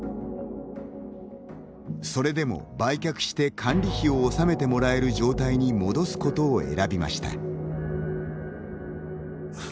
それでも売却して管理費を納めてもらえる状態に戻すことを選びました。